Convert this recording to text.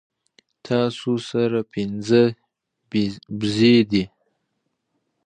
تاسو سره پنځۀ بيزې دي